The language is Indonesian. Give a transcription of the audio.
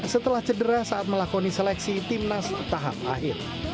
setelah cedera saat melakoni seleksi timnas tahap akhir